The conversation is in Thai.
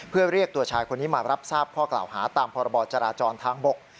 เพื่อเรียกตัวชายคนนี้มารับทราบข้อกล่าวหาตามพรบจราจรทางบก